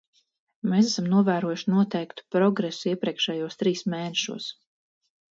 Mēs esam novērojuši noteiktu progresu iepriekšējos trīs mēnešos.